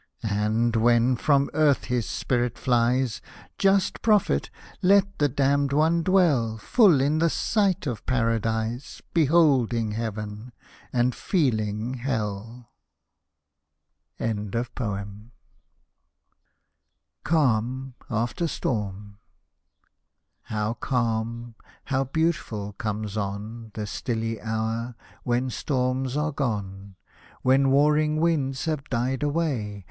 And, when from earth his spirit flies, Just Prophet, let the damned one dwell Full in the sight of Paradise, Beholding heaven, and feeling hell I CALM AFTER STORM How calm, how beautiful comes on The stilly hour, when storms are gone ; When warring winds have died away.